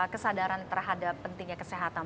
kesadaran terhadap pentingnya kesehatan